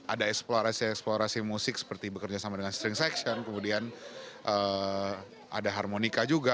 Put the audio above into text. ada eksplorasi eksplorasi musik seperti bekerja sama dengan strength section kemudian ada harmonika juga